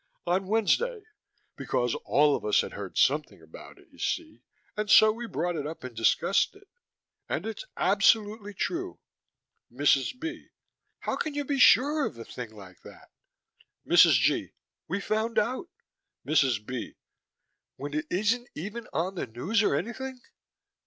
On Wednesday. Because all of us had heard something about it, you see, and so we brought it up and discussed it. And it's absolutely true. MRS. B.: How can you be sure of a thing like that? MRS. G.: We found out MRS. B.: When it isn't even on the news or anything.